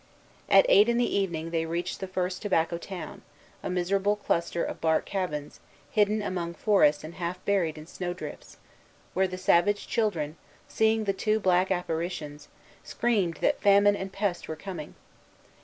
At eight in the evening they reached the first Tobacco town, a miserable cluster of bark cabins, hidden among forests and half buried in snow drifts, where the savage children, seeing the two black apparitions, screamed that Famine and the Pest were coming.